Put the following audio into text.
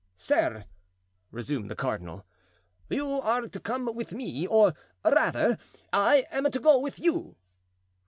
"Sir," resumed the cardinal, "you are to come with me, or rather, I am to go with you."